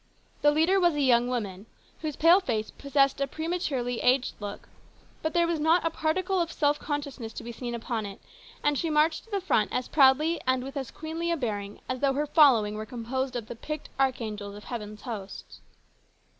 The leader was a young woman, THE RESCUE. 89 whose pale face possessed a prematurely aged look, but there was not a particle of self consciousness to be seen upon it, and she marched at the front as proudly and with as queenly a bearing as though her following were composed of the picked archangels of heaven's hosts.